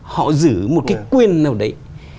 họ giữ một cái quyền nào đấy